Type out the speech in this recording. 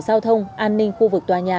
giao thông an ninh khu vực tòa nhà